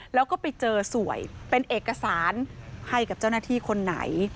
แล้วก็ไปเจอสวยเป็นเอกสารให้กับเจ้าหน้าที่คนไหน